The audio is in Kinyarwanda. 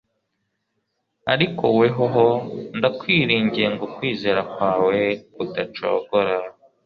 Ariko wehoho, ndakwingingiye ngo kwizera kwawe kudacogora.